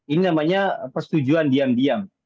ini namanya persetujuan diam diam